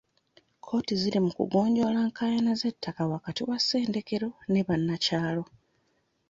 Kkooti ziri mu kugonjoola nkaayana z'ettaka wakati wa ssetendekero ne bannakyalo.